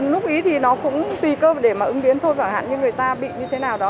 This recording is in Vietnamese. lúc ý thì nó cũng tùy cơ để mà ứng biến thôi chẳng hạn như người ta bị như thế nào đó